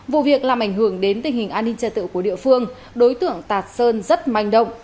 vụ việc làm ảnh hưởng đến tình hình an ninh trật tự của địa phương đối tượng tạt sơn rất manh động